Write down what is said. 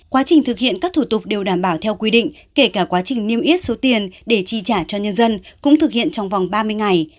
quá trình thực hiện các thủ tục đều đảm bảo theo quy định kể cả quá trình niêm yết số tiền để chi trả cho nhân dân cũng thực hiện trong vòng ba mươi ngày